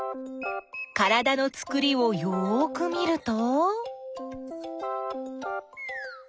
からだのつくりをよく見ると？